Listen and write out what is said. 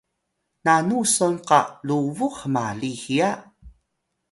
nanu son qa lubux hmali hiya?